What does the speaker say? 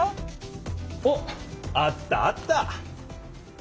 おっあったあった！